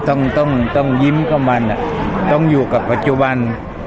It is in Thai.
ต้องยิ้มกับมันต้องอยู่กับปัจจุบัน